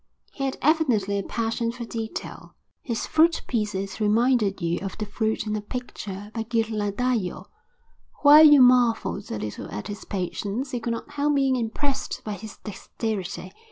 He had evidently a passion for detail. His fruit pieces reminded you of the fruit in a picture by Ghirlandajo. While you marvelled a little at his patience, you could not help being impressed by his dexterity.